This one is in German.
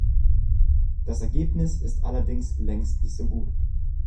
Das Ergebnis ist allerdings längst nicht so gut.